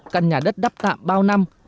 căn nhà đất đắp tạm bao năm